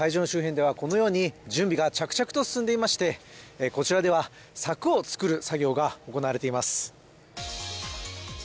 周辺ではこのように準備が着々と進められていましてこちらでは柵を作る作業が行われています。